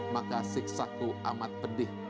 maka siksaku amat pedih